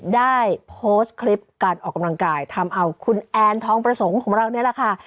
ได้โพสต์คลิปการออกกำลังกายทำเอาคุณแอนทองประสงค์ของเรานี่แหละค่ะ